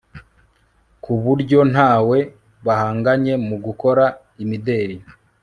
ku buryo nta we bahanganye mugukora imideli